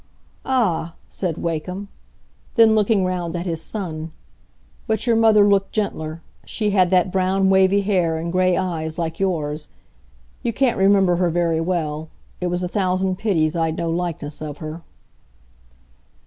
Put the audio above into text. "Ah?" said Wakem. Then looking round at his son, "But your mother looked gentler; she had that brown wavy hair and gray eyes, like yours. You can't remember her very well. It was a thousand pities I'd no likeness of her."